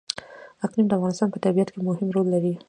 اقلیم د افغانستان په طبیعت کې مهم رول لري.